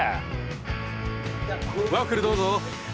ワッフルどうぞ！